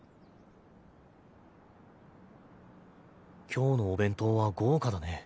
今日のお弁当は豪華だね。